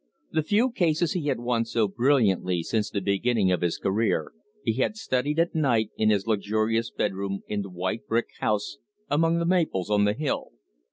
The few cases he had won so brilliantly since the beginning of his career, he had studied at night in his luxurious bedroom in the white brick house among the maples on the hill.